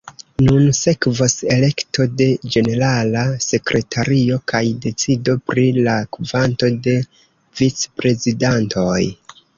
Nun sekvos elekto de ĝenerala sekretario kaj decido pri la kvanto de vicprezidantoj.